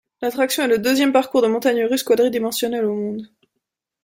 L'attraction est le deuxième parcours de montagnes russes quadridimensionnelles au monde.